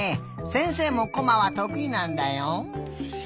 せんせいもコマはとくいなんだよ。